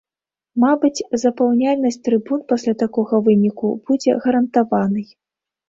Мабыць, запаўняльнасць трыбун пасля такога выніку будзе гарантаванай.